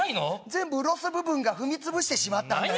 全部ウロス部分が踏み潰してしまったんだよ